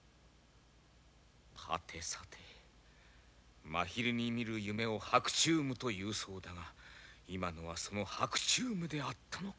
はてさて真昼に見る夢を白昼夢というそうだが今のはその白昼夢であったのか。